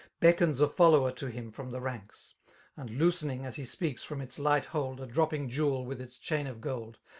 Beckons a follower to him from the ranks. And lots^ing, as he speaks, from its light hold A dropping }ewd with its chain of gold.